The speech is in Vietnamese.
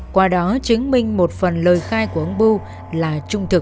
qua đó chứng minh một phần lời khai của ông bưu là trung thực